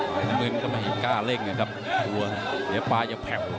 แต่ก็มีคนแล้วก็ไม่กล้าลึกนะครับเหลือปลายจะแผบ